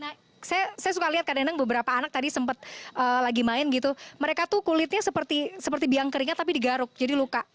nah saya suka lihat kak neneng beberapa anak tadi sempat lagi main gitu mereka tuh kulitnya seperti biang keringat tapi digaruk jadi luka